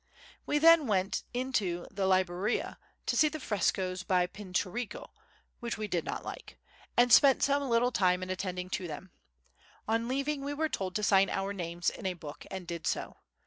We then went into the Libreria to see the frescoes by Pinturicchio—which we did not like—and spent some little time in attending to them. On leaving we were told to sign our names in a book and did so.